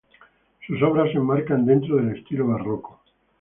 Sus obras se enmarcan dentro del estilo Barroco.